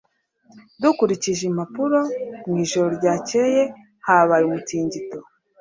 Dukurikije impapuro, mu ijoro ryakeye habaye umutingito.